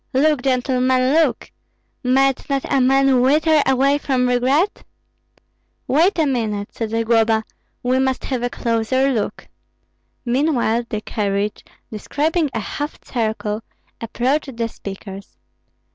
Look, gentlemen, look! Might not a man wither away from regret?" "Wait a minute!" said Zagloba, "we must have a closer look." Meanwhile the carriage, describing a half circle, approached the speakers.